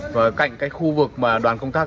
và cạnh khu vực mà đoàn công tác